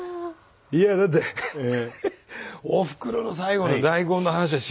いやだっておふくろの最後の大根の話は知らなかったですね。